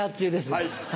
はい。